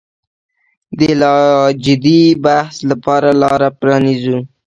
د لا جدي بحث لپاره لاره پرانیزو.